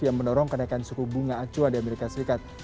yang mendorong kenaikan suku bunga acuan di amerika serikat